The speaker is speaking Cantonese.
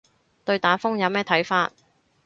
對打風有咩睇法